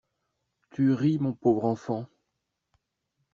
Tu ris, mon pauvre enfant!